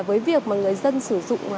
với việc mà người dân sử dụng